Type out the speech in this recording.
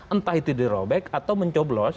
entah itu dirobek atau mencoblos